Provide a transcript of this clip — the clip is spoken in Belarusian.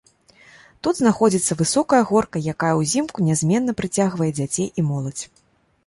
Тут знаходзіцца высокая горка, якая ўзімку нязменна прыцягвае дзяцей і моладзь.